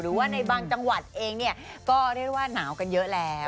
หรือว่าในบางจังหวัดเองเนี่ยก็เรียกว่าหนาวกันเยอะแล้ว